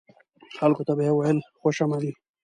خلکو ته به یې ویل خوش آمدي.